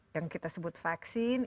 yang kita sebut vaksin